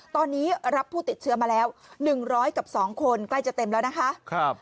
ตอนนี้รับผู้ติดเชื้อมาแล้ว๑๐๐กับ๒คนใกล้จะเต็มแล้วนะคะ